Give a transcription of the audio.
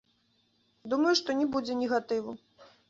Думаю, што не будзе негатыву.